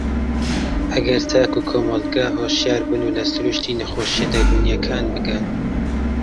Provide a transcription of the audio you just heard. ئەگەر تاک و کۆمەڵگە هۆشیار بن و لە سرووشتی نەخۆشییە دەروونییەکان بگەن